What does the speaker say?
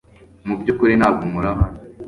Mubyukuri ntabwo nkora hano .